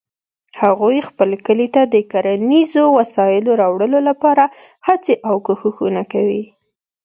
هغوی خپل کلي ته د کرنیزو وسایلو راوړلو لپاره هڅې او کوښښونه کوي